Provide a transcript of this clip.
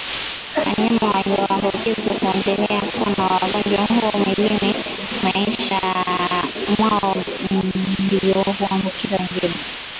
Wanyama walioambukizwa huendelea kuwa na ugonjwa huu mwilini maishani mwao na ndio huambukiza wengine